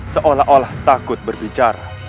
seolah olah takut berbicara